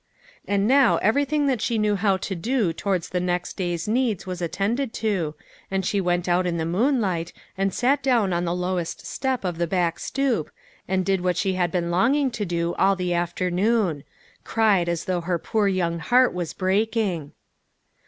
And now everything that she knew how to do towards the next day's needs was attended to, and she went out in the moonlight, and sat down on the lowest step of the back stoop, and did what she had been longing to do all the after noon cried as though her poor young heart was breaking.